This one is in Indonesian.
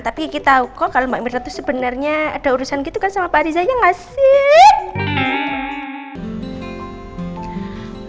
tapi kiki tau kok kalau mbak mir itu sebenarnya ada urusan gitu kan sama pak arizanya gak sih